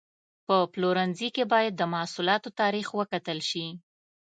په پلورنځي کې باید د محصولاتو تاریخ وکتل شي.